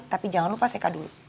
tapi jangan lupa seka dulu